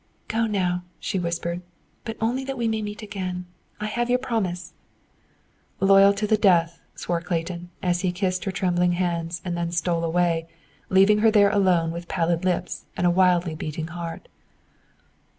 "Go, now," she whispered, "but only that we may meet again! I have your promise." "Loyal to the death," swore Clayton, as he kissed her trembling hands and then stole away, leaving her there alone with pallid lips and a wildly beating heart.